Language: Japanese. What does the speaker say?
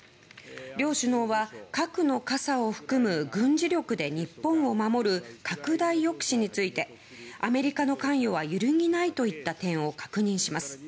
両首脳は核の傘を含む軍事力で日本を守る拡大抑止についてアメリカの関与は揺るぎないといった点を確認します。